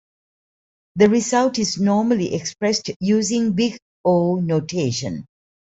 The result is normally expressed using Big O notation.